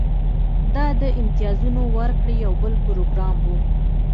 دا د امتیازونو ورکړې یو بل پروګرام و